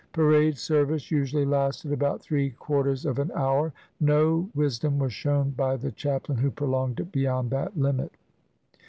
Parade service usually lasted about three quar ters of an hour. No wisdom was shown by the chaplain who prolonged it beyond that Hmit.